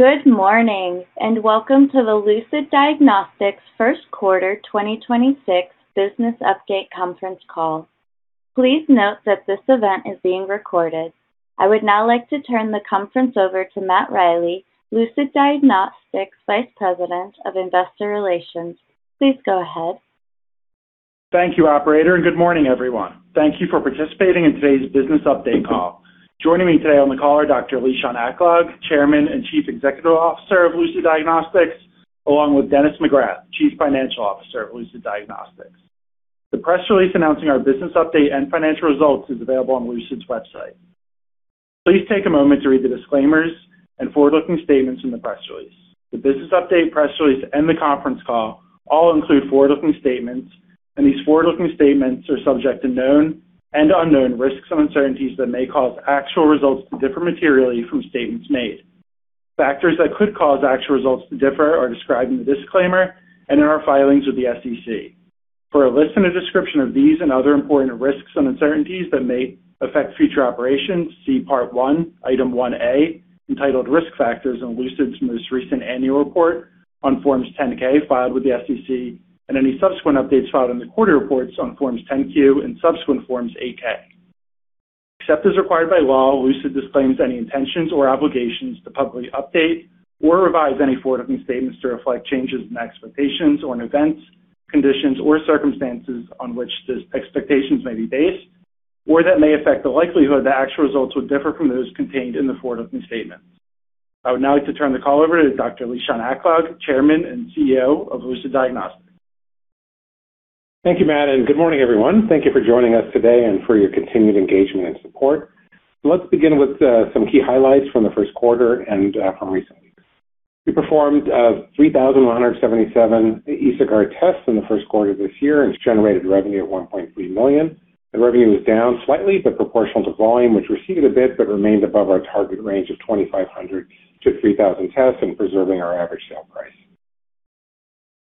Good morning, and welcome to the Lucid Diagnostics first quarter 2026 business update conference call. Please note that this event is being recorded. I would now like to turn the conference over to Matt Riley, Lucid Diagnostics Vice President of Investor Relations. Please go ahead. Thank you, operator. Good morning, everyone. Thank you for participating in today's business update call. Joining me today on the call are Dr. Lishan Aklog, Chairman and Chief Executive Officer of Lucid Diagnostics, along with Dennis McGrath, Chief Financial Officer of Lucid Diagnostics. The press release announcing our business update and financial results is available on Lucid's website. Please take a moment to read the disclaimers and forward-looking statements in the press release. The business update, press release, and the conference call all include forward-looking statements. These forward-looking statements are subject to known and unknown risks and uncertainties that may cause actual results to differ materially from statements made. Factors that could cause actual results to differ are described in the disclaimer and in our filings with the SEC. For a list and a description of these and other important risks and uncertainties that may affect future operations, see Part One, Item One A, entitled Risk Factors in Lucid's most recent annual report on Forms 10-K filed with the SEC and any subsequent updates filed in the quarter reports on Forms 10-Q and subsequent Forms 8-K. Except as required by law, Lucid disclaims any intentions or obligations to publicly update or revise any forward-looking statements to reflect changes in expectations or in events, conditions, or circumstances on which those expectations may be based or that may affect the likelihood that actual results would differ from those contained in the forward-looking statements. I would now like to turn the call over to Dr. Lishan Aklog, Chairman and Chief Executive Officer of Lucid Diagnostics. Thank you, Matt, and good morning, everyone. Thank you for joining us today and for your continued engagement and support. Let's begin with some key highlights from the first quarter and from recent weeks. We performed 3,177 EsoGuard tests in the first quarter this year and generated revenue at $1.3 million. The revenue was down slightly, but proportional to volume, which receded a bit but remained above our target range of 2,500-3,000 tests and preserving our average sale price.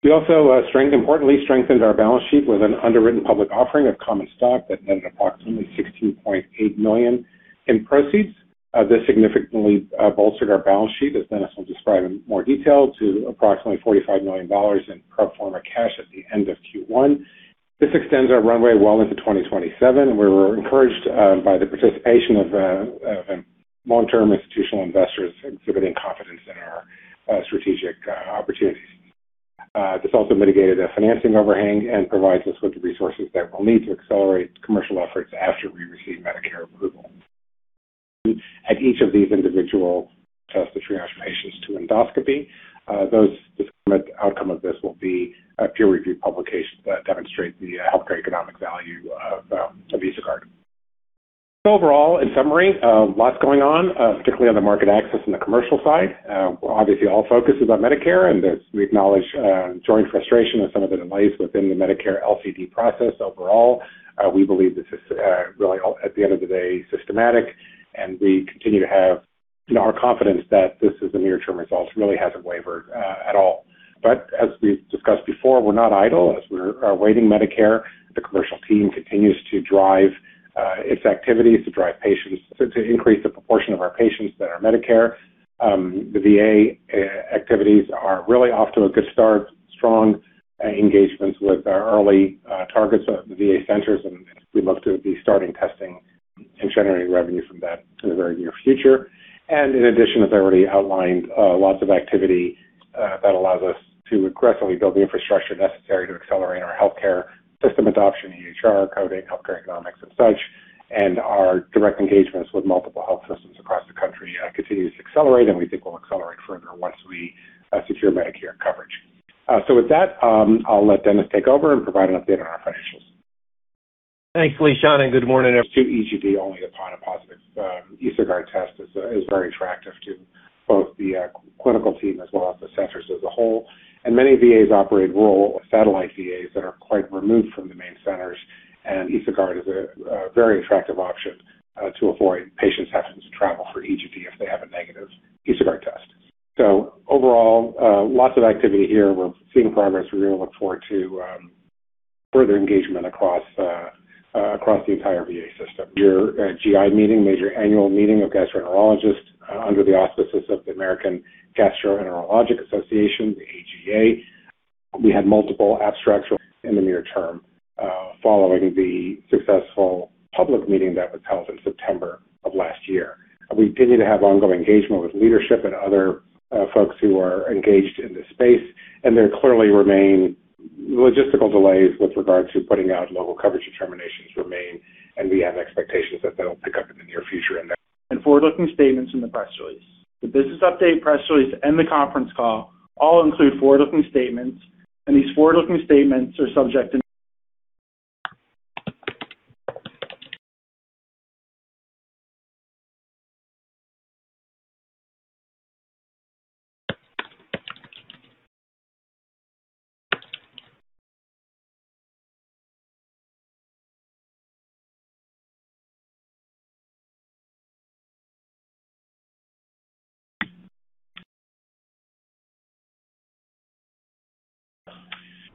We also importantly strengthened our balance sheet with an underwritten public offering of common stock that netted approximately $16.8 million in proceeds. This significantly bolstered our balance sheet, as Dennis will describe in more detail, to approximately $45 million in pro forma cash at the end of Q1. This extends our runway well into 2027. We were encouraged by the participation of long-term institutional investors exhibiting confidence in our strategic opportunities. This also mitigated a financing overhang and provides us with the resources that we'll need to accelerate commercial efforts after we receive Medicare approval. At each of these individual test transformations to endoscopy, those outcome of this will be a peer-reviewed publication that demonstrate the healthcare economic value of EsoGuard. Overall, in summary, lots going on, particularly on the market access and the commercial side. Obviously, all focus is on Medicare, and as we acknowledge, joint frustration with some of the delays within the Medicare LCD process overall, we believe this is really at the end of the day, systematic. We continue to have our confidence that this is a near-term result really hasn't wavered at all. As we've discussed before, we're not idle. As we're awaiting Medicare, the commercial team continues to drive its activities to drive patients to increase the proportion of our patients that are Medicare. The VA activities are really off to a good start. Strong engagements with our early targets at the VA centers, and we look to be starting testing and generating revenue from that in the very near future. In addition, as I already outlined, lots of activity that allows us to aggressively build the infrastructure necessary to accelerate our healthcare system adoption, EHR, coding, healthcare economics and such. Our direct engagements with multiple health systems across the country, continues to accelerate, and we think will accelerate further once we secure Medicare coverage. With that, I'll let Dennis take over and provide an update on our financials. Thanks, Lishan Aklog, and good morning. To EGD only upon a positive EsoGuard test is very attractive to both the clinical team as well as the centers as a whole. Many VAs operate rural satellite VAs that are quite removed from the main centers, and EsoGuard is a very attractive option to avoid patients having to travel for EGD if they have a negative EsoGuard test. Overall, lots of activity here. We're seeing progress. We're gonna look forward to further engagement across the entire VA system. Your GI meeting, major annual meeting of gastroenterologists, under the auspices of the American Gastroenterological Association, the AGA. We had multiple abstracts in the near term, following the successful public meeting that was held in September of last year. We continue to have ongoing engagement with leadership and other folks who are engaged in this space. There clearly remain logistical delays with regards to putting out Local Coverage Determinations. We have expectations that that'll pick up in the near future. Forward-looking statements in the press release. The business update, press release and the conference call all include forward-looking statements, and these forward-looking statements are subject to.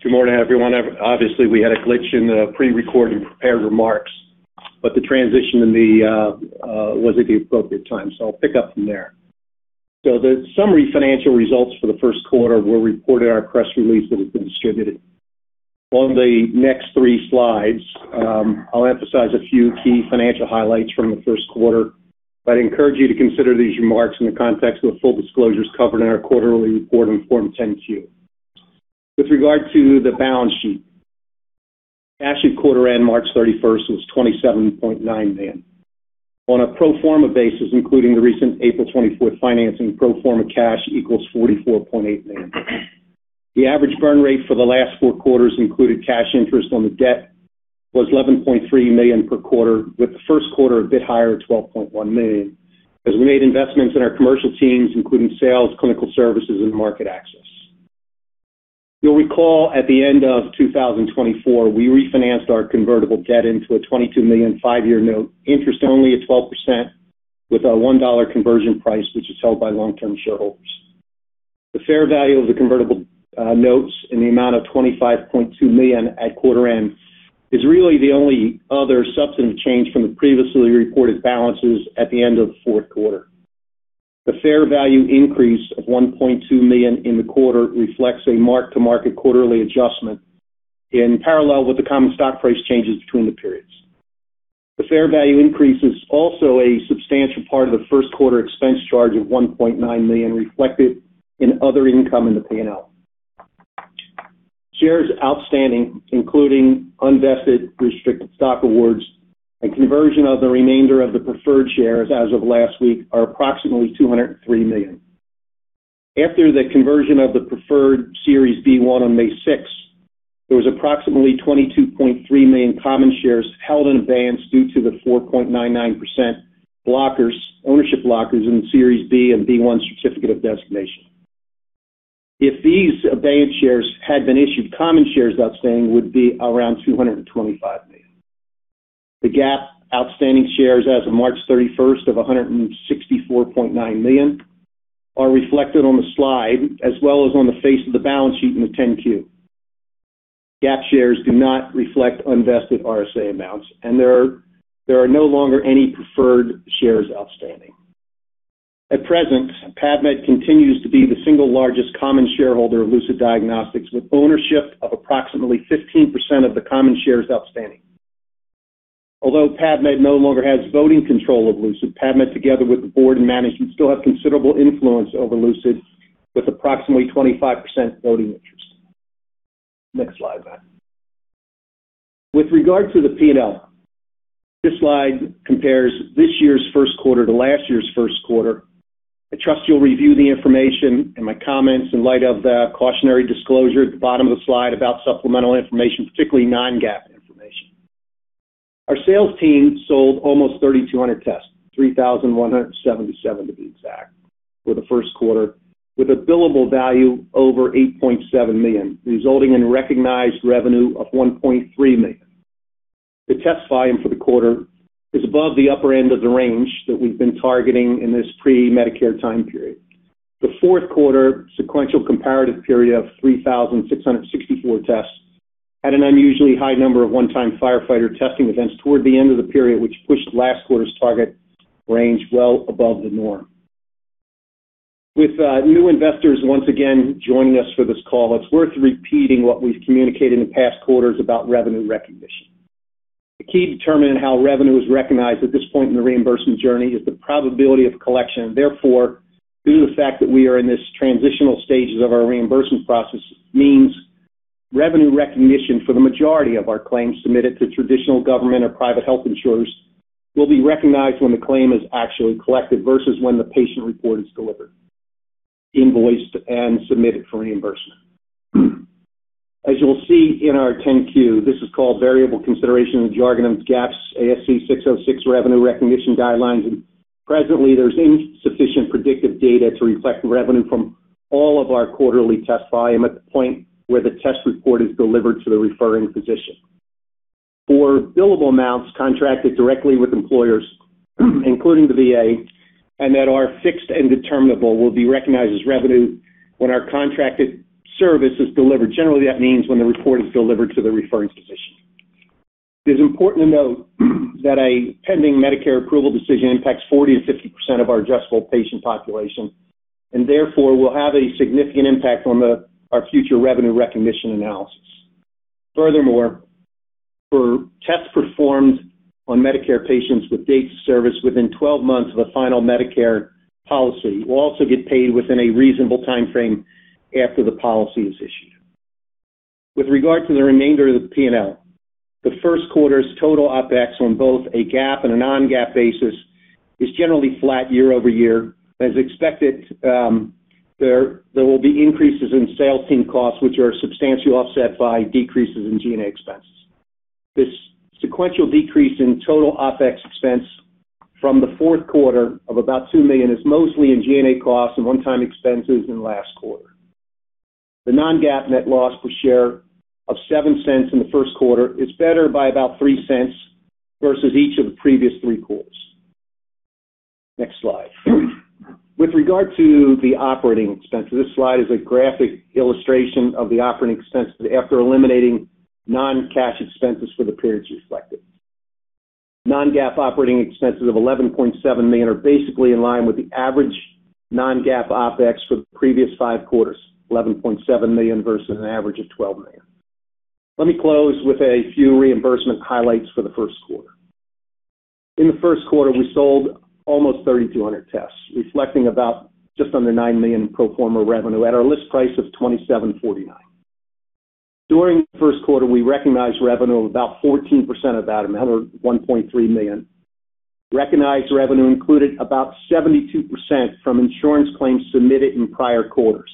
Good morning, everyone. Obviously, we had a glitch in the pre-recorded prepared remarks, but the transition in the was at the appropriate time, so I'll pick up from there. The summary financial results for the first quarter were reported in our press release that has been distributed. On the next three slides, I'll emphasize a few key financial highlights from the first quarter, but I'd encourage you to consider these remarks in the context of the full disclosures covered in our quarterly report on Form 10-Q. With regard to the balance sheet, cash at quarter end March 31st was $27.9 million. On a pro forma basis, including the recent April 24th financing, pro forma cash equals $44.8 million. The average burn rate for the last four quarters included cash interest on the debt was $11.3 million per quarter, with the first quarter a bit higher at $12.1 million as we made investments in our commercial teams, including sales, clinical services, and market access. You'll recall at the end of 2024, we refinanced our convertible debt into a $22 million five-year note, interest only at 12% with a $1 conversion price, which is held by long-term shareholders. The fair value of the convertible notes in the amount of $25.2 million at quarter end is really the only other substantive change from the previously reported balances at the end of the fourth quarter. The fair value increase of $1.2 million in the quarter reflects a mark-to-market quarterly adjustment in parallel with the common stock price changes between the periods. The fair value increase is also a substantial part of the first quarter expense charge of $1.9 million reflected in other income in the P&L. Shares outstanding, including unvested restricted stock awards and conversion of the remainder of the preferred shares as of last week are approximately 203 million. After the conversion of the preferred Series B-1 on May 6th, there was approximately 22.3 million common shares held in abeyance due to the 4.99% blockers, ownership blockers in Series B and B-1 certificate of designation. If these abeyance shares had been issued, common shares outstanding would be around 225 million. The GAAP outstanding shares as of March 31st of 164.9 million are reflected on the slide as well as on the face of the balance sheet in the 10-Q. GAAP shares do not reflect unvested RSA amounts, and there are no longer any preferred shares outstanding. At present, PAVmed continues to be the single largest common shareholder of Lucid Diagnostics, with ownership of approximately 15% of the common shares outstanding. PAVmed no longer has voting control of Lucid, PAVmed, together with the board and management, still have considerable influence over Lucid with approximately 25% voting interest. Next slide, Matt. With regard to the P&L, this slide compares this year's first quarter to last year's first quarter. I trust you'll review the information and my comments in light of the cautionary disclosure at the bottom of the slide about supplemental information, particularly non-GAAP information. Our sales team sold almost 3,200 tests, 3,177 to be exact, for the first quarter, with a billable value over $8.7 million, resulting in recognized revenue of $1.3 million. The test volume for the quarter is above the upper end of the range that we've been targeting in this pre-Medicare time period. The fourth quarter sequential comparative period of 3,664 tests had an unusually high number of one-time firefighter testing events toward the end of the period, which pushed last quarter's target range well above the norm. With new investors once again joining us for this call, it's worth repeating what we've communicated in past quarters about revenue recognition. The key determinant in how revenue is recognized at this point in the reimbursement journey is the probability of collection. Due to the fact that we are in this transitional stages of our reimbursement process means revenue recognition for the majority of our claims submitted to traditional government or private health insurers will be recognized when the claim is actually collected versus when the patient report is delivered, invoiced, and submitted for reimbursement. As you will see in our 10-Q, this is called variable consideration in the jargon of GAAP's ASC 606 revenue recognition guidelines, presently there's insufficient predictive data to reflect revenue from all of our quarterly test volume at the point where the test report is delivered to the referring physician. For billable amounts contracted directly with employers, including the VA, and that are fixed and determinable, will be recognized as revenue when our contracted service is delivered. Generally, that means when the report is delivered to the referring physician. It is important to note that a pending Medicare approval decision impacts 40% to 50% of our addressable patient population and therefore will have a significant impact on our future revenue recognition analysis. For tests performed on Medicare patients with dates of service within 12 months of a final Medicare policy will also get paid within a reasonable timeframe after the policy is issued. With regard to the remainder of the P&L, the first quarter's total OpEx on both a GAAP and a non-GAAP basis is generally flat year-over-year. As expected, there will be increases in sales team costs, which are substantially offset by decreases in G&A expenses. This sequential decrease in total OpEx expense from the fourth quarter of about $2 million is mostly in G&A costs and one-time expenses in the last quarter. The non-GAAP net loss per share of $0.07 in the first quarter is better by about $0.03 versus each of the previous three quarters. Next slide. With regard to the operating expenses, this slide is a graphic illustration of the operating expenses after eliminating non-cash expenses for the periods reflected. Non-GAAP operating expenses of $11.7 million are basically in line with the average non-GAAP OpEx for the previous five quarters, $11.7 million versus an average of $12 million. Let me close with a few reimbursement highlights for the first quarter. In the first quarter, we sold almost 3,200 tests, reflecting about just under $9 million pro forma revenue at our list price of $2,749. During the first quarter, we recognized revenue of about 14% of that amount, or $1.3 million. Recognized revenue included about 72% from insurance claims submitted in prior quarters,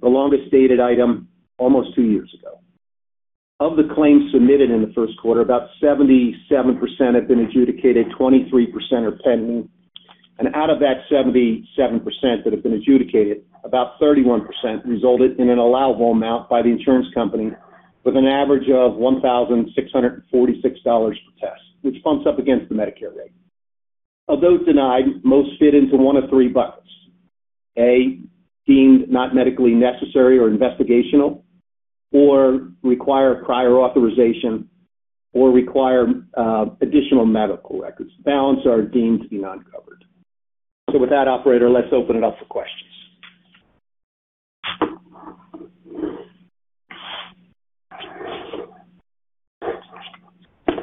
the longest dated item almost two years ago. Of the claims submitted in the first quarter, about 77% have been adjudicated, 23% are pending. Out of that 77% that have been adjudicated, about 31% resulted in an allowable amount by the insurance company with an average of $1,646 per test, which bumps up against the Medicare rate. Of those denied, most fit into one of three buckets: A, deemed not medically necessary or investigational, or require prior authorization or require additional medical records. The balance are deemed to be non-covered. With that, operator, let's open it up for questions.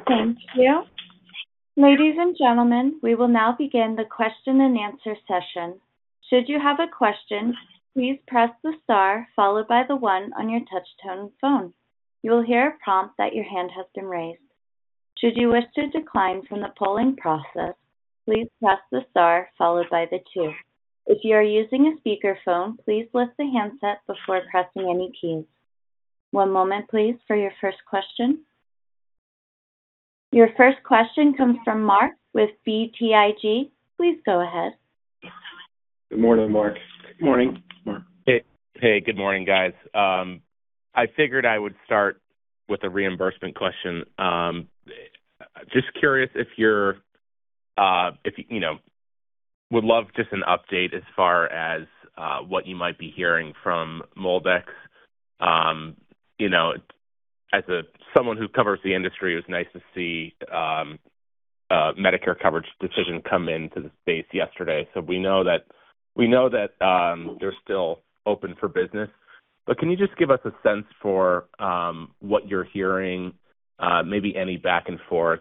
Thank you. Ladies and gentlemen, we will now begin the question and answer session. Should you have a question, please press the star followed by the one on your touchtone phone. You'll hear a prompt that your hand has been raised. Should you wish to decline from the polling process, please press the star followed by the two. If you are using a speakerphone, please lift the handset before pressing any key. One moment please for your first question. Your first question comes from Mark with BTIG. Please go ahead Good morning, Mark. Morning. Morning. Hey. Hey, good morning, guys. I figured I would start with a reimbursement question. Just curious if you're, Would love just an update as far as what you might be hearing from MolDX. You know, as a someone who covers the industry, it was nice to see a Medicare coverage decision come into the space yesterday. We know that they're still open for business. Can you just give us a sense for what you're hearing, maybe any back and forth?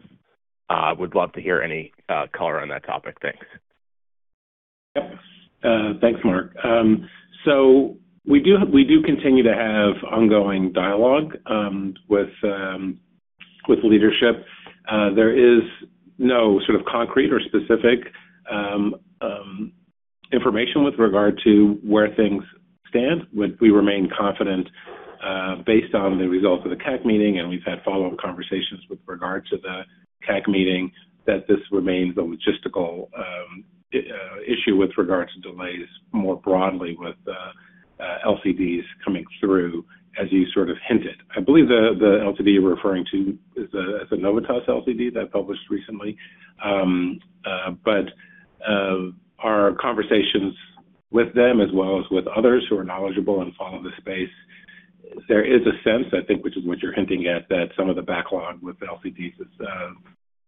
Would love to hear any color on that topic. Thanks. Yep. Thanks, Mark. We do continue to have ongoing dialogue with leadership. There is no sort of concrete or specific information with regard to where things stand. We remain confident, based on the results of the CAC meeting, and we've had follow-up conversations with regard to the CAC meeting, that this remains a logistical issue with regards to delays more broadly with LCDs coming through, as you sort of hinted. I believe the LCD you're referring to is the Novitas LCD that published recently. Our conversations with them as well as with others who are knowledgeable and follow the space, there is a sense, I think, which is what you're hinting at, that some of the backlog with the LCDs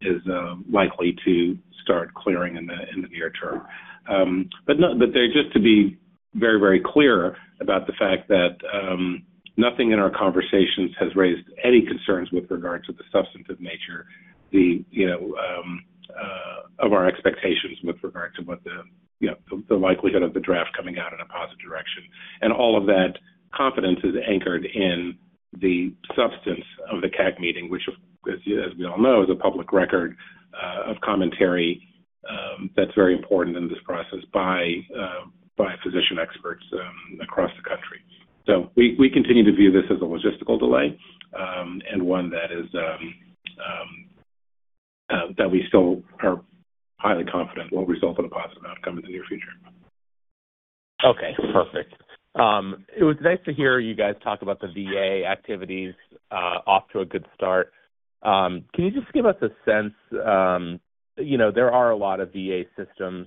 is likely to start clearing in the near term. Just to be very, very clear about the fact that nothing in our conversations has raised any concerns with regards to the substantive nature, you know, of our expectations with regard to what the, you know, likelihood of the draft coming out in a positive direction. All of that confidence is anchored in the substance of the CAC meeting, which as we all know, is a public record of commentary that's very important in this process by physician experts across the country. We continue to view this as a logistical delay, and one that is that we still are highly confident will result in a positive outcome in the near future. Okay, perfect. It was nice to hear you guys talk about the VA activities, off to a good start. Can you just give us a sense, you know, there are a lot of VA systems,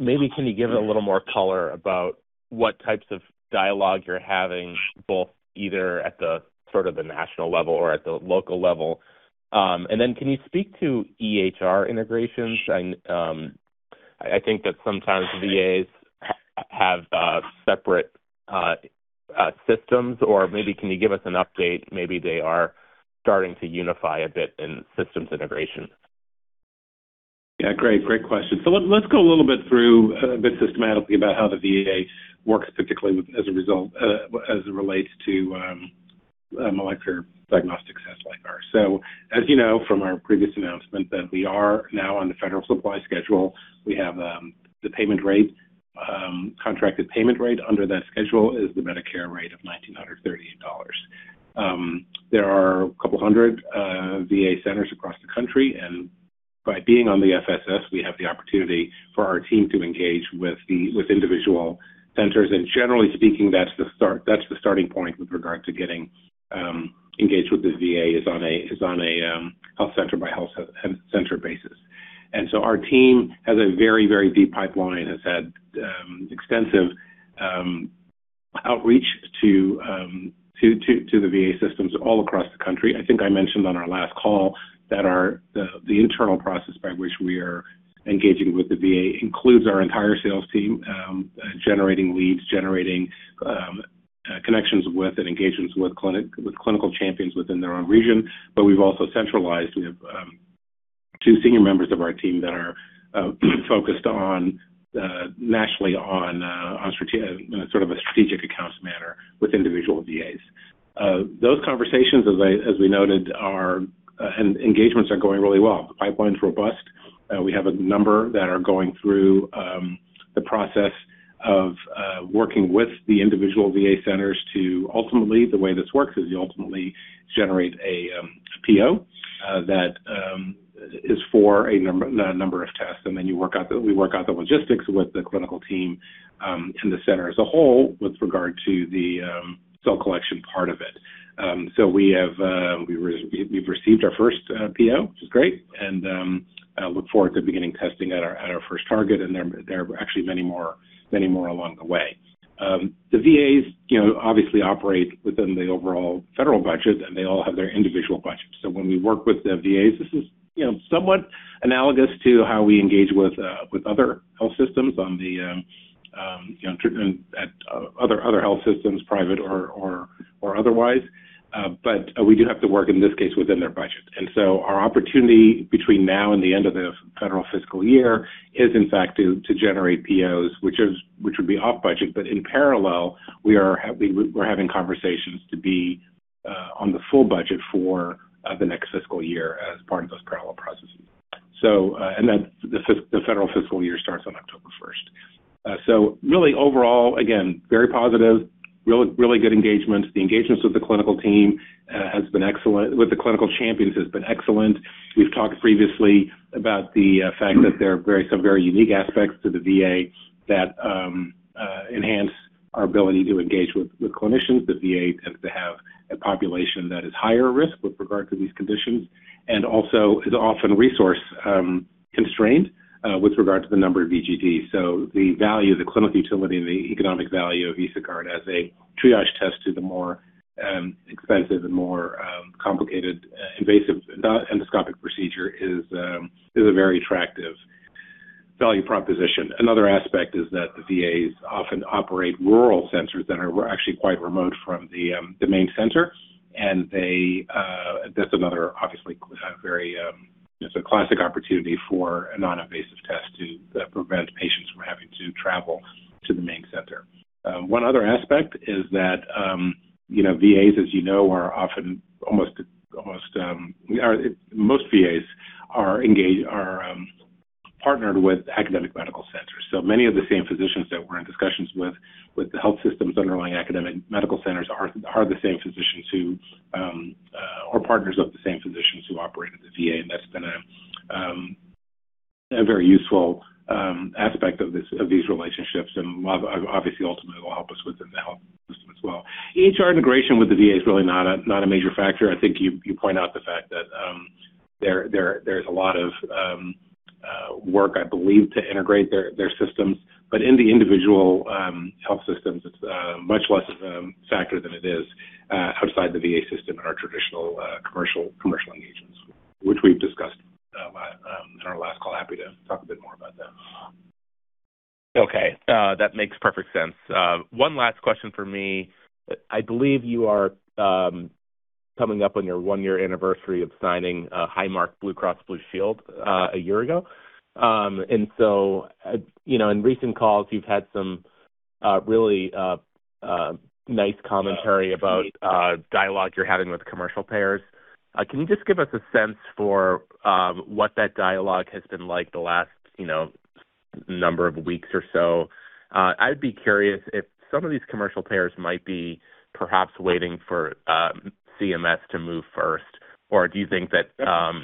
maybe can you give a little more color about what types of dialogue you're having, both either at the sort of the national level or at the local level? Can you speak to EHR integrations? I think that sometimes VAs have separate systems, maybe can you give us an update, maybe they are starting to unify a bit in systems integration. Yeah, great question. Let's go a little bit through a bit systematically about how the VA works, particularly as it relates to a molecular diagnostic test like ours. As you know from our previous announcement that we are now on the Federal Supply Schedule, we have the payment rate, contracted payment rate under that schedule is the Medicare rate of $1,938. There are a couple hundred VA centers across the country, and by being on the FSS, we have the opportunity for our team to engage with individual centers. Generally speaking, that's the starting point with regard to getting engaged with the VA is on a health center by health center basis. Our team has a very deep pipeline, has had extensive outreach to the VA systems all across the country. I think I mentioned on our last call that the internal process by which we are engaging with the VA includes our entire sales team, generating leads, generating connections with and engagements with clinical champions within their own region. We've also centralized. We have two senior members of our team that are focused on nationally on a sort of a strategic accounts manner with individual VAs. Those conversations, as I, as we noted, are, and engagements are going really well. The pipeline's robust. We have a number that are going through the process of working with the individual VA centers to ultimately The way this works is you ultimately generate a PO that is for a number of tests, and then we work out the logistics with the clinical team in the center as a whole with regard to the cell collection part of it. We have, we've received our first PO, which is great, and look forward to beginning testing at our, at our first target, and there are actually many more, many more along the way. The VAs, you know, obviously operate within the overall Federal budget, and they all have their individual budgets. When we work with the VAs, this is, you know, somewhat analogous to how we engage with other health systems on the, you know, other health systems, private or otherwise. But we do have to work, in this case, within their budget. Our opportunity between now and the end of the Federal fiscal year is, in fact, to generate POs, which would be off budget. In parallel, we're having conversations to be on the full budget for the next fiscal year as part of those parallel processes. The Federal fiscal year starts on October first. Overall, again, very positive, really good engagements. The engagements with the clinical team has been excellent, with the clinical champions has been excellent. We've talked previously about the fact that there are some very unique aspects to the VA that enhance our ability to engage with clinicians. The VA tends to have a population that is higher risk with regard to these conditions and also is often resource constrained with regard to the number of EGDs. The value, the clinical utility and the economic value of EsoGuard as a triage test to the more expensive and more complicated invasive endoscopic procedure is a very attractive value proposition. Another aspect is that the VAs often operate rural centers that are actually quite remote from the main center, and that's another obviously very just a classic opportunity for a non-invasive test to prevent patients from having to travel to the main center. One other aspect is that, you know, VAs, as you know, are often Most VAs are partnered with academic medical centers. Many of the same physicians that we're in discussions with the health systems underlying academic medical centers are the same physicians who or partners of the same physicians who operate at the VA. That's been a very useful aspect of this, of these relationships, and obviously ultimately will help us within the health system as well. EHR integration with the VA is really not a major factor. I think you point out the fact that there's a lot of work, I believe, to integrate their systems. In the individual health systems, it's much less factor than it is outside the VA system in our traditional commercial engagements, which we've discussed in our last call. Happy to talk a bit more about that. Okay. That makes perfect sense. One last question from me. I believe you are coming up on your one-year anniversary of signing Highmark Blue Cross Blue Shield a year ago. You know, in recent calls, you've had some really nice commentary about dialogue you're having with commercial payers. Can you just give us a sense for what that dialogue has been like the last, you know, number of weeks or so? I'd be curious if some of these commercial payers might be perhaps waiting for CMS to move first, or do you think that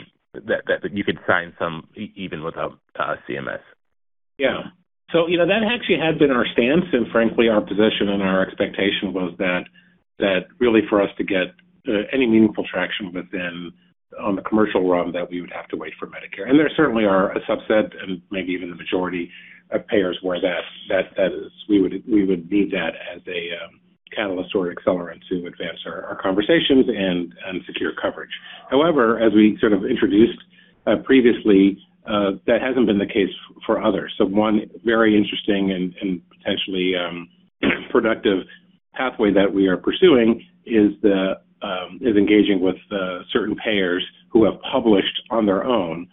you could sign some even without CMS? Yeah. You know, that actually had been our stance, frankly, our position and our expectation was that really for us to get any meaningful traction within on the commercial realm, that we would have to wait for Medicare. There certainly are a subset and maybe even the majority of payers where we would need that as a catalyst or accelerant to advance our conversations and secure coverage. However, as we sort of introduced previously, that hasn't been the case for others. One very interesting and potentially productive pathway that we are pursuing is engaging with certain payers who have published on their own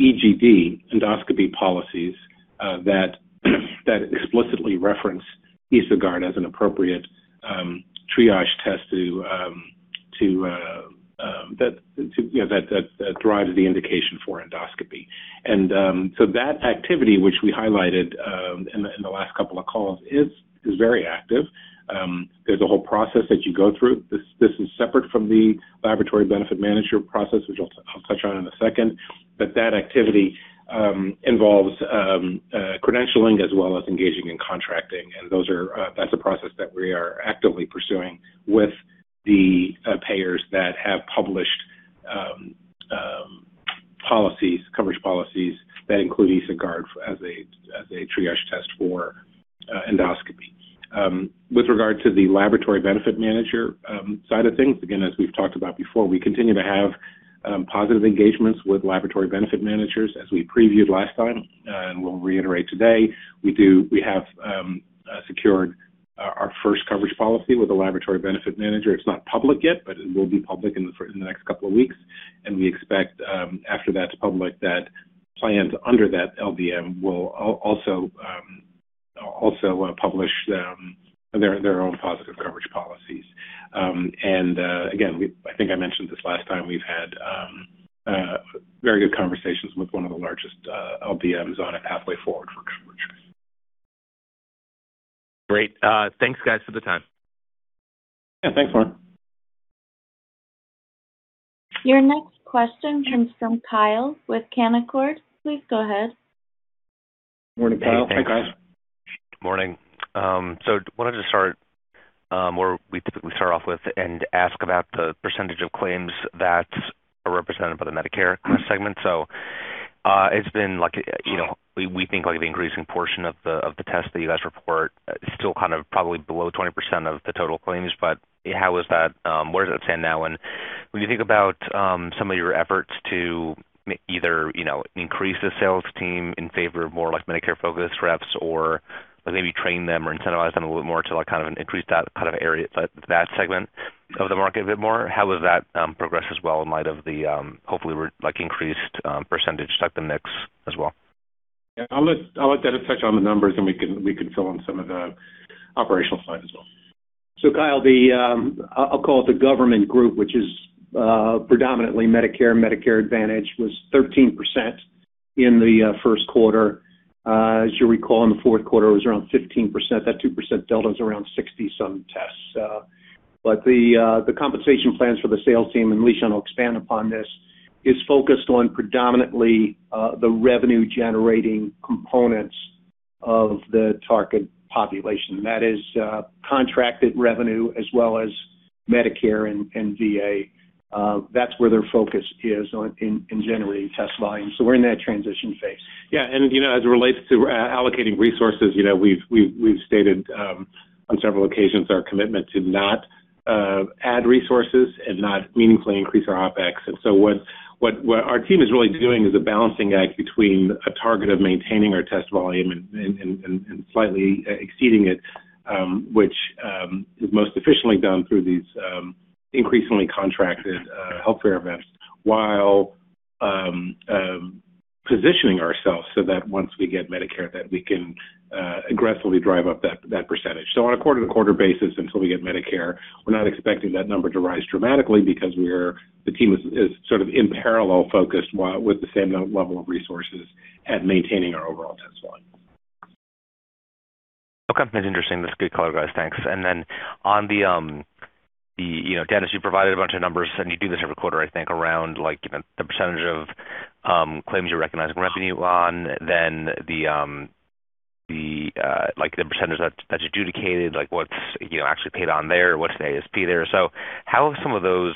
EGD endoscopy policies that explicitly reference EsoGuard as an appropriate triage test to, you know, that drives the indication for endoscopy. That activity, which we highlighted in the last couple of calls, is very active. There's a whole process that you go through. This is separate from the laboratory benefit manager process, which I'll touch on in a second. That activity involves credentialing as well as engaging in contracting, and those are, that's a process that we are actively pursuing with the payers that have published policies, coverage policies that include EsoGuard as a, as a triage test for endoscopy. With regard to the laboratory benefit manager side of things, again, as we've talked about before, we continue to have positive engagements with laboratory benefit managers as we previewed last time, and we'll reiterate today. We have secured our first coverage policy with a laboratory benefit manager. It's not public yet, but it will be public in the next couple of weeks. We expect after that's public, that plans under that LBM will also publish their own positive coverage policies. Again, I think I mentioned this last time, we've had very good conversations with one of the largest LBMs on a pathway forward for coverage. Great. Thanks guys for the time. Yeah. Thanks, Lauren. Your next question comes from Kyle with Canaccord. Please go ahead. Morning, Kyle. Hi, Kyle. Hey, thanks. Morning. Wanted to start where we typically start off with and ask about the percentage of claims that are represented by the Medicare segment. It's been like, you know, we think like the increasing portion of the test that you guys report is still kind of probably below 20% of the total claims, but how is that, where does it stand now? When you think about, some of your efforts to either, you know, increase the sales team in favor of more like Medicare-focused reps or maybe train them or incentivize them a little bit more to like kind of increase that kind of area, that segment of the market a bit more, how has that progressed as well in light of the, hopefully we're like increased percentage like the mix as well? Yeah. I'll let Dennis touch on the numbers, and we can fill in some of the operational side as well. Kyle, the, I'll call it the government group, which is predominantly Medicare Advantage, was 13% in the first quarter. As you recall, in the fourth quarter it was around 15%. That 2% delta is around 60-some tests. But the compensation plans for the sales team, and Lishan will expand upon this, is focused on predominantly the revenue generating components of the target population. That is, contracted revenue as well as Medicare and VA. That's where their focus is on in generating test volume. We're in that transition phase. Yeah. You know, as it relates to allocating resources, you know, we've stated on several occasions our commitment to not add resources and not meaningfully increase our OpEx. What our team is really doing is a balancing act between a target of maintaining our test volume and slightly exceeding it, which is most efficiently done through these increasingly contracted healthcare events, while positioning ourselves so that once we get Medicare that we can aggressively drive up that percentage. On a quarter to quarter basis until we get Medicare, we're not expecting that number to rise dramatically because the team is sort of in parallel focused while with the same amount level of resources at maintaining our overall test volume. Okay. That's interesting. That's good color, guys. Thanks. On the, you know, Dennis, you provided a bunch of numbers, and you do this every quarter, I think, around like, you know, the percent of claims you're recognizing revenue on, then the like the percent that's adjudicated, like what's, you know, actually paid on there, what's the ASP there. How have some of those,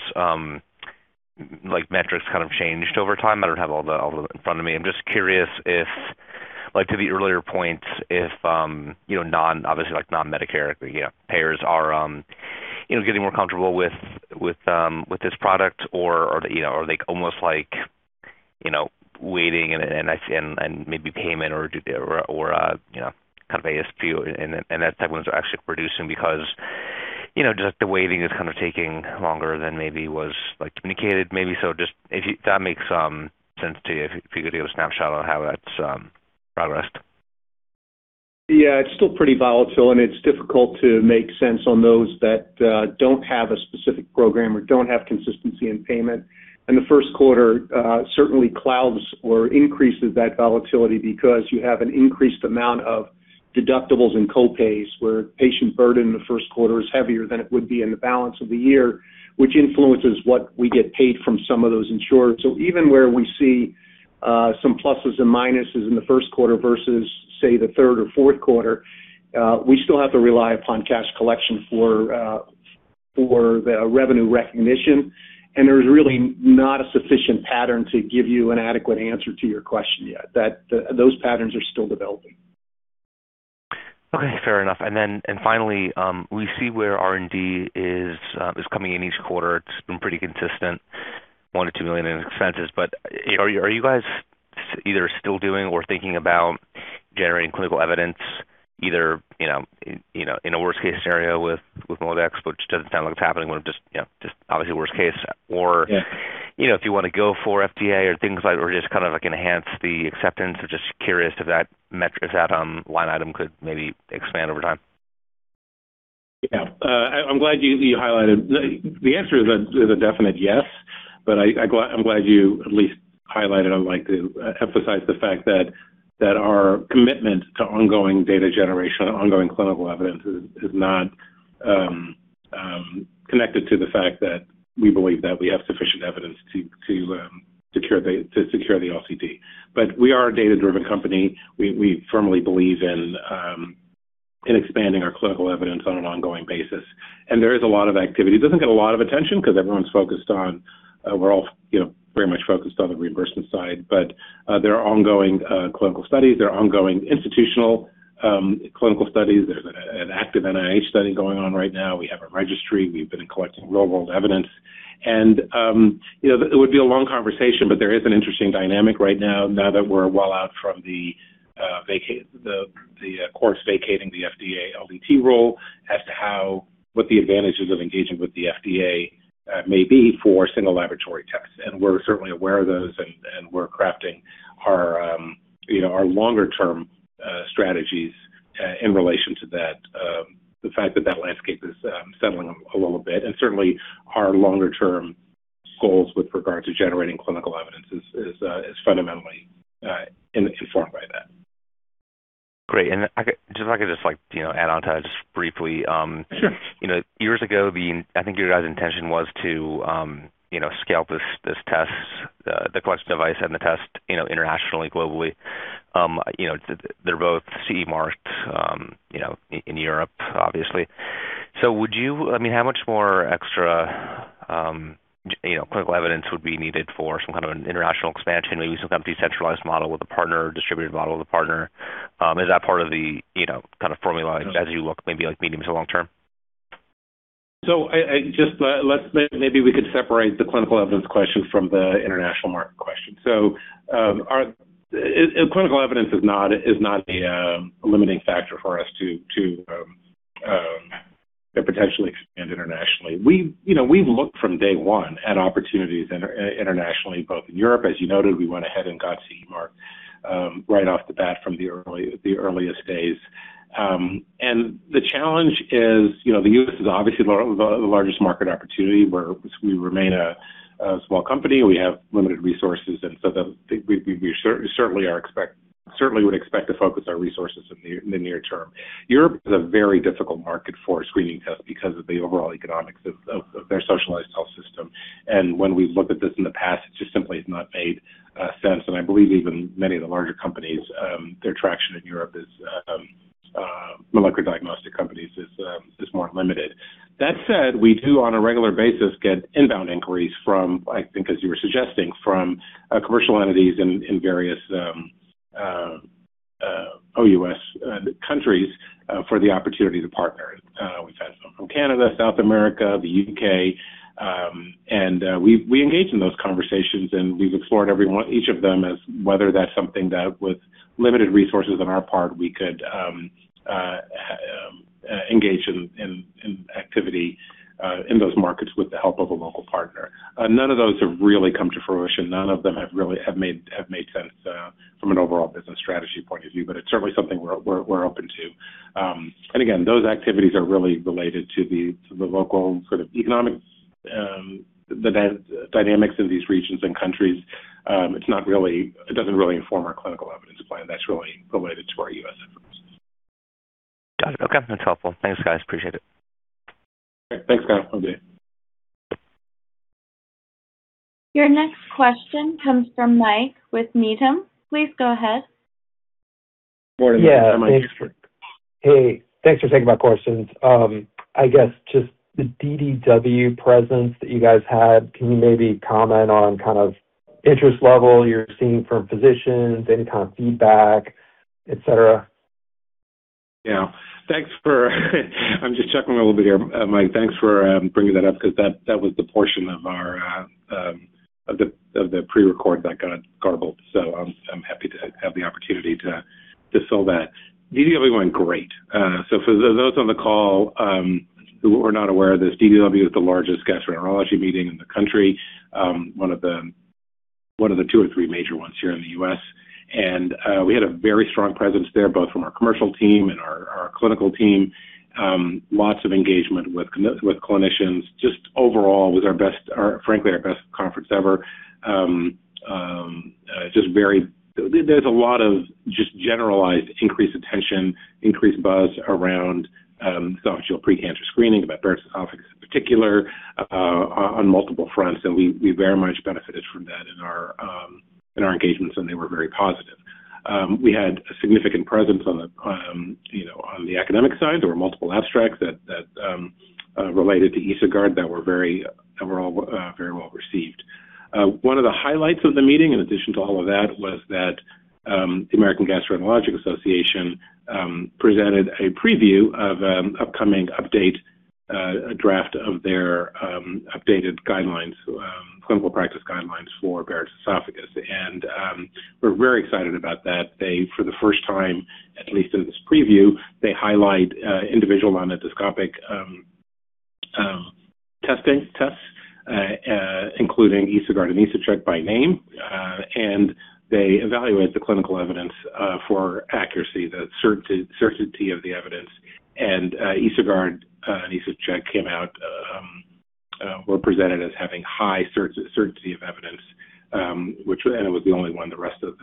like metrics kind of changed over time? I don't have all the in front of me. I'm just curious if, like to the earlier points, if, you know, obviously like non-Medicare, you know, payers are, you know, getting more comfortable with this product or, you know, are they almost like, you know, waiting and maybe payment or, you know, kind of ASP and that type of thing is actually producing because, you know, just the waiting is kind of taking longer than maybe was like communicated maybe. Just that makes sense to you, if you could give a snapshot on how that's progressed. It's still pretty volatile, and it's difficult to make sense on those that don't have a specific program or don't have consistency in payment. In the first quarter, certainly causes or increases that volatility because you have an increased amount of deductibles and co-pays where patient burden in the first quarter is heavier than it would be in the balance of the year, which influences what we get paid from some of those insureds. Even where we see some pluses and minuses in the first quarter versus, say, the third or fourth quarter, we still have to rely upon cash collection for the revenue recognition. There's really not a sufficient pattern to give you an adequate answer to your question yet. Those patterns are still developing. Okay, fair enough. Finally, we see where R&D is coming in each quarter. It's been pretty consistent, $1 million to $2 million in expenses. Are you guys either still doing or thinking about generating clinical evidence either, you know, in a worst-case scenario with MolDX, which doesn't sound like it's happening, but just, you know, obviously worst case. Yeah. You know, if you wanna go for FDA or things like or just kind of like enhance the acceptance. Just curious if that metric, if that line item could maybe expand over time. I'm glad you highlighted. The answer is a definite yes, but I'm glad you at least highlighted. I'd like to emphasize the fact that our commitment to ongoing data generation, ongoing clinical evidence is not connected to the fact that we believe that we have sufficient evidence to secure the LDT. We are a data-driven company. We firmly believe in expanding our clinical evidence on an ongoing basis. There is a lot of activity. It doesn't get a lot of attention 'cause everyone's focused on, you know, very much focused on the reimbursement side. There are ongoing clinical studies. There are ongoing institutional clinical studies. There's an active NIH study going on right now. We have a registry. We've been collecting real-world evidence. You know, it would be a long conversation, but there is an interesting dynamic right now that we're well out from the courts vacating the FDA LDT role as to how, what the advantages of engaging with the FDA may be for single laboratory tests. We're certainly aware of those and we're crafting our, you know, our longer term strategies in relation to that. The fact that that landscape is settling a little bit. Certainly our longer term goals with regard to generating clinical evidence is fundamentally informed by that. Great. I just if I could just like, you know, add onto that just briefly. Sure. You know, years ago, I think your guys' intention was to, you know, scale this test, the collection device and the test, you know, internationally, globally. You know, they're both CE marked, you know, in Europe, obviously. I mean, how much more extra, you know, clinical evidence would be needed for some kind of an international expansion? Maybe some kind of decentralized model with a partner, distributed model with a partner. Is that part of the, you know, kind of formula as you look maybe like medium to long term? I just, maybe we could separate the clinical evidence question from the international market question. Our clinical evidence is not the limiting factor for us to potentially expand internationally. We, you know, we've looked from day one at opportunities internationally, both in Europe, as you noted, we went ahead and got CE marked right off the bat from the earliest days. The challenge is, you know, the U.S. is obviously the largest market opportunity where we remain a small company. We have limited resources we certainly would expect to focus our resources in the near term. Europe is a very difficult market for screening tests because of the overall economics of their socialized health system. When we've looked at this in the past, it just simply has not made sense. I believe even many of the larger companies, molecular diagnostic companies, their traction in Europe is more limited. That said, we do on a regular basis get inbound inquiries from, I think as you were suggesting, from commercial entities in various OUS countries for the opportunity to partner. We've had some from Canada, South America, the U.K. We engage in those conversations, and we've explored every one, each of them as whether that's something that with limited resources on our part, we could engage in activity in those markets with the help of a local partner. None of those have really come to fruition. None of them have really have made sense from an overall business strategy point of view. It's certainly something we're open to. Again, those activities are really related to the local sort of economic dynamics in these regions and countries. It's not really, it doesn't really inform our clinical evidence plan that's really limited to our U.S. efforts. Got it. Okay. That's helpful. Thanks, guys. Appreciate it. Okay. Thanks, Kyle. Have a good day. Your next question comes from Michael Matson with Needham & Company. Please go ahead. Morning, Mike. Yeah. Thanks. Hey, thanks for taking my questions. I guess just the DDW presence that you guys had, can you maybe comment on kind of interest level you're seeing from physicians, any kind of feedback, et cetera? I'm just chuckling a little bit here, Mike, thanks for bringing that up 'cause that was the portion of our of the pre-record that got garbled. I'm happy to have the opportunity to fill that. DDW went great. For those on the call who are not aware of this, DDW is the largest gastroenterology meeting in the country. One of the two or three major ones here in the U.S. We had a very strong presence there, both from our commercial team and our clinical team. Lots of engagement with clinicians. Just overall was our best, our frankly, our best conference ever. Just very There's a lot of just generalized increased attention, increased buzz around esophageal pre-cancer screening, about Barrett's esophagus in particular, on multiple fronts, and we very much benefited from that in our engagements, and they were very positive. We had a significant presence on the academic side. There were multiple abstracts that related to EsoGuard that were all very well received. One of the highlights of the meeting, in addition to all of that, was that the American Gastroenterological Association presented a preview of upcoming update draft of their updated guidelines, clinical practice guidelines for Barrett's esophagus. We're very excited about that. They, for the first time, at least in this preview, they highlight individual endoscopic testing, including EsoGuard and EsoCheck by name. They evaluate the clinical evidence for accuracy, the certainty of the evidence. EsoGuard and EsoCheck came out, were presented as having high certainty of evidence. It was the only one. The rest of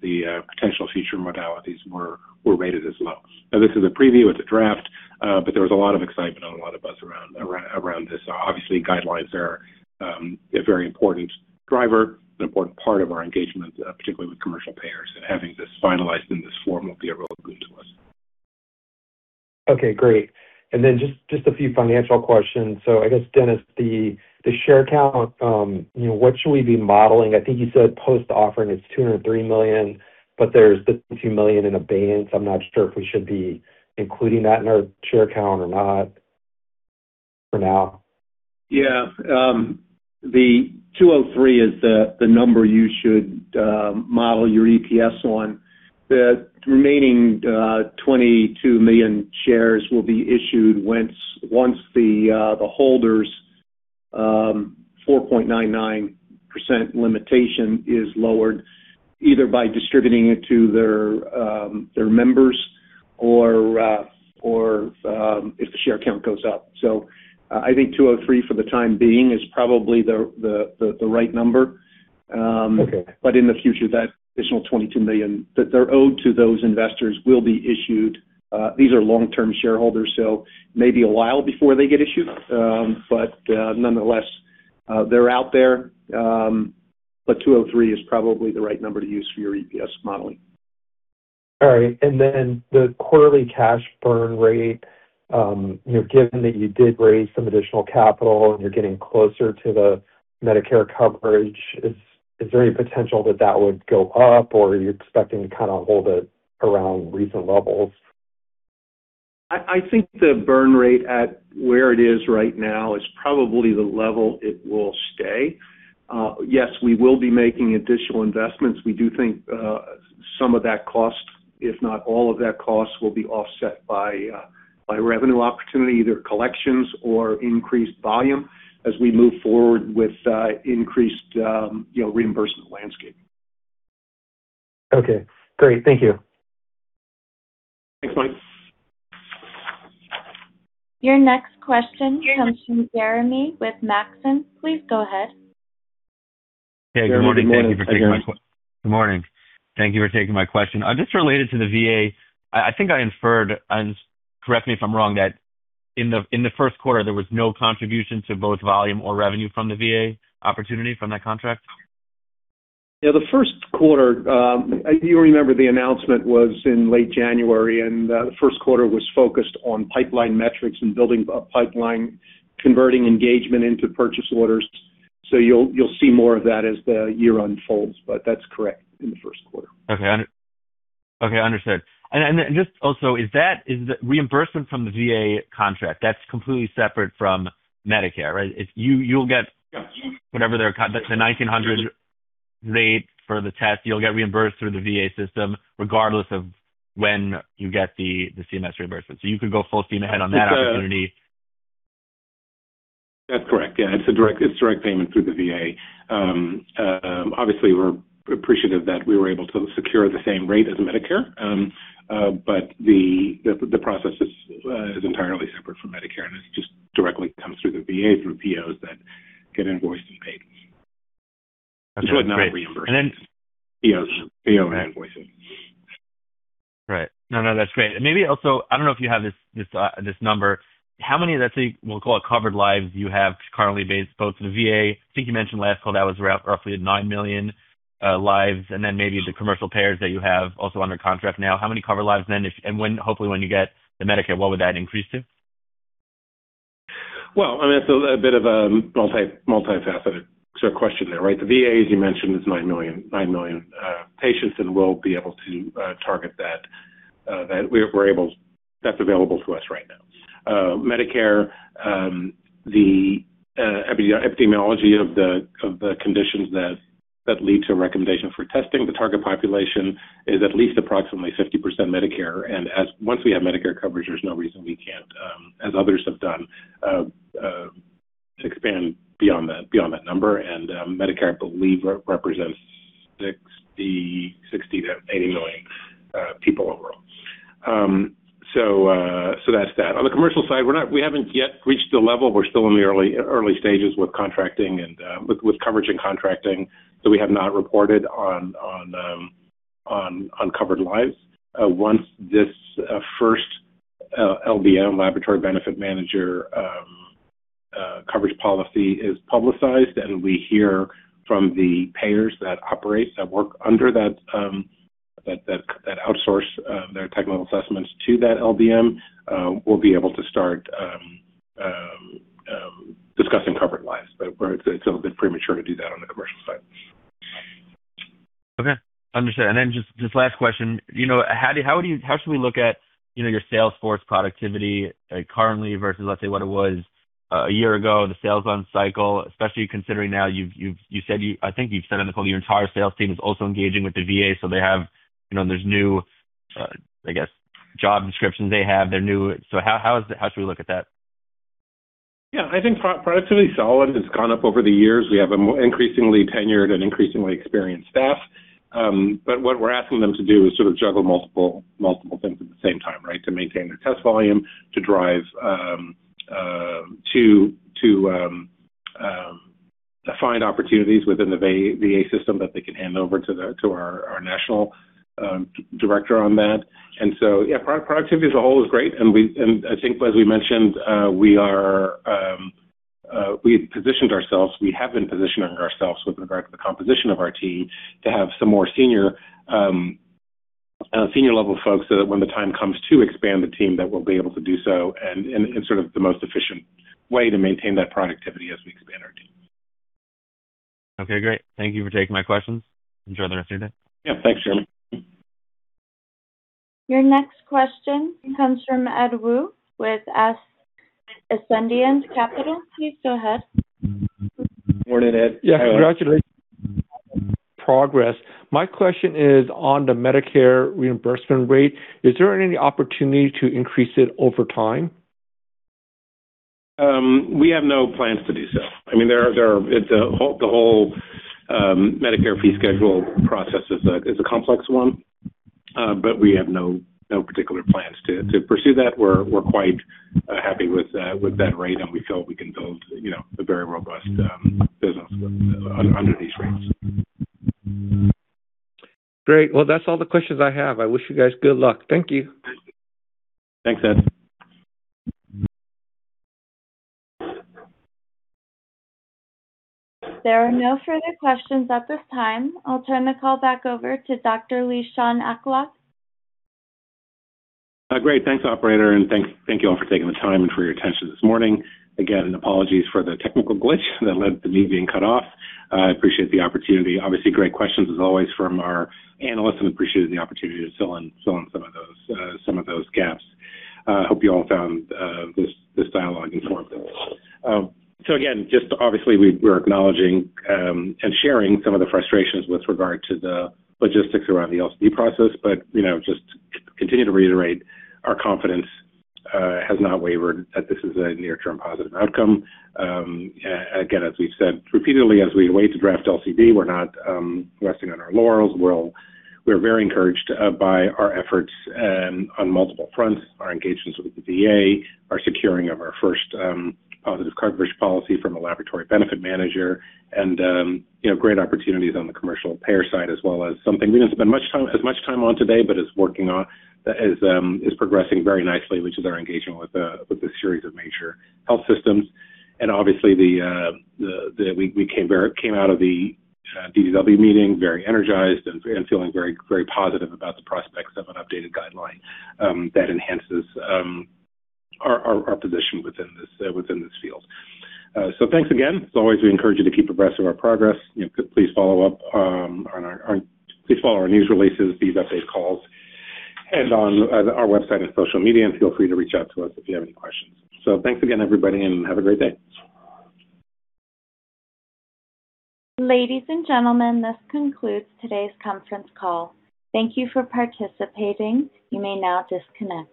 the potential future modalities were rated as low. This is a preview. It's a draft. There was a lot of excitement on a lot of us around this. Obviously, guidelines are a very important driver, an important part of our engagement, particularly with commercial payers. Having this finalized in this form will be a real boon to us. Okay, great. Just a few financial questions. I guess, Dennis, the share count, you know, what should we be modeling? I think you said post-offer, it's 203 million, but there's potentially million in abeyance. I'm not sure if we should be including that in our share count or not for now. The 203 is the number you should model your EPS on. The remaining 22 million shares will be issued once the holders' 4.99% limitation is lowered, either by distributing it to their members or, if the share count goes up. I think 203 for the time being is probably the right number. Okay. In the future, that additional $22 million that they're owed to those investors will be issued. These are long-term shareholders, so it may be a while before they get issued. Nonetheless, they're out there. 203 is probably the right number to use for your EPS modeling. All right. Then the quarterly cash burn rate, you know, given that you did raise some additional capital and you're getting closer to the Medicare coverage, is there any potential that that would go up, or are you expecting to kind of hold it around recent levels? I think the burn rate at where it is right now is probably the level it will stay. Yes, we will be making additional investments. We do think some of that cost, if not all of that cost, will be offset by revenue opportunity, either collections or increased volume as we move forward with increased, you know, reimbursement landscape. Okay, great. Thank you. Thanks, Mike. Your next question comes from Jeremy with Maxim. Please go ahead. Jeremy, you're muted, I guess. Good morning. Thank you for taking my question. Just related to the VA, I think I inferred, and correct me if I'm wrong, that in the first quarter, there was no contribution to both volume or revenue from the VA opportunity from that contract? Yeah, the first quarter, you'll remember the announcement was in late January, and the first quarter was focused on pipeline metrics and building a pipeline, converting engagement into purchase orders. You'll see more of that as the year unfolds. That's correct, in the first quarter. Okay. Understood. Is the reimbursement from the VA contract, that's completely separate from Medicare, right? Yeah. That's the $1,900 rate for the test. You'll get reimbursed through the VA system regardless of when you get the CMS reimbursement. You could go full steam ahead on that opportunity. That's correct. Yeah. It's direct payment through the VA. Obviously, we're appreciative that we were able to secure the same rate as Medicare. The process is entirely separate from Medicare, and it just directly comes through the VA, through POs that get invoiced and paid. That's good. Great. It's not reimbursed. PO invoicing. Right. No, no, that's great. Maybe also, I don't know if you have this number, how many, let's say, we'll call it covered lives you have currently based both in the VA. I think you mentioned last call that was roughly at 9 million lives, and then maybe the commercial payers that you have also under contract now. How many covered lives then if-- and when-- hopefully, when you get the Medicare, what would that increase to? I mean, it's a bit of a multi-faceted sort of question there, right? The VA, as you mentioned, is 9 million patients, we'll be able to target that that's available to us right now. Medicare, the epidemiology of the conditions that lead to a recommendation for testing the target population is at least approximately 50% Medicare. Once we have Medicare coverage, there's no reason we can't, as others have done, to expand beyond that number. Medicare, I believe, represents $60 million-$80 million people overall. That's that. On the commercial side, we haven't yet reached the level. We're still in the early stages with contracting and with coverage and contracting. We have not reported on uncovered lives. Once this first LBM, laboratory benefit manager, coverage policy is publicized and we hear from the payers that operate, that work under that outsource their technical assessments to that LBM, we'll be able to start discussing covered lives. It's a bit premature to do that on the commercial side. Okay. Understood. Just last question. You know, how should we look at, you know, your sales force productivity, like currently versus, let's say, what it was a year ago, the sales on cycle, especially considering now you've said I think you've said on the call your entire sales team is also engaging with the VA, so they have, you know, there's new, I guess, job descriptions they have. They're new. How should we look at that? Yeah. I think productivity's solid. It's gone up over the years. We have a increasingly tenured and increasingly experienced staff. What we're asking them to do is sort of juggle multiple things at the same time, right? To maintain their test volume, to drive, to find opportunities within the VA system that they can hand over to the, to our national director on that. Yeah, productivity as a whole is great, I think as we mentioned, we have been positioning ourselves with regard to the composition of our team to have some more senior-level folks so that when the time comes to expand the team, that we'll be able to do so and in sort of the most efficient way to maintain that productivity as we expand our team. Okay, great. Thank you for taking my questions. Enjoy the rest of your day. Yeah. Thanks, Jeremy. Your next question comes from Edward Woo with Ascendiant Capital. Please go ahead. Morning, Ed. How are you? Yeah. Congratulations on the progress. My question is on the Medicare reimbursement rate. Is there any opportunity to increase it over time? We have no plans to do so. I mean, there are The whole Medicare fee schedule process is a complex one, but we have no particular plans to pursue that. We're quite happy with that rate, and we feel we can build, you know, a very robust business under these rates. Great. That's all the questions I have. I wish you guys good luck. Thank you. Thanks, Ed. There are no further questions at this time. I'll turn the call back over to Dr. Lishan Aklog. Great. Thanks, operator, thank you all for taking the time and for your attention this morning. Again, apologies for the technical glitch that led to me being cut off. I appreciate the opportunity. Obviously, great questions as always from our analysts, appreciated the opportunity to fill in some of those, some of those gaps. Hope you all found this dialogue informative. Again, just obviously we're acknowledging sharing some of the frustrations with regard to the logistics around the LCD process, you know, just continue to reiterate our confidence has not wavered, that this is a near-term positive outcome. Again, as we've said repeatedly, as we await the draft LCD, we're not resting on our laurels. We're very encouraged by our efforts on multiple fronts, our engagements with the VA, our securing of our first positive coverage policy from a laboratory benefit manager and, you know, great opportunities on the commercial payer side, as well as something we didn't spend much time on today but is working on is progressing very nicely, which is our engagement with a series of major health systems. Obviously, we came out of the DDW meeting very energized and feeling very positive about the prospects of an updated guideline that enhances our position within this field. Thanks again. As always, we encourage you to keep abreast of our progress. You know, please follow up. Please follow our news releases, these update calls, and on our website and social media, and feel free to reach out to us if you have any questions. Thanks again, everybody, and have a great day. Ladies and gentlemen, this concludes today's conference call. Thank you for participating. You may now disconnect.